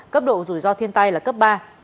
cấp độ rủi ro thiên tai là cấp ba